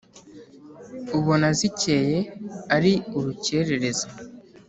Ubona zicyeye ari urucyerereza